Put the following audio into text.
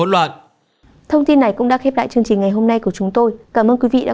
thông tin này cũng đã khép lại chương trình ngày hôm nay của chúng tôi cảm ơn quý vị đã